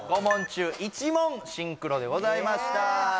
５問中１問シンクロでございました